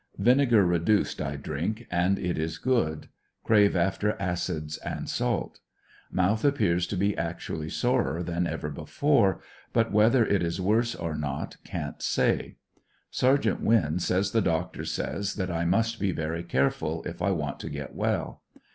Vinegar reduced I drink and it is good; crave after acids and salt. Mouth appears to be actually sorer than ever before, but whether it is worse or not can't say. Sergt. Winn says the Doctor says that I must be very careful if I want to get well.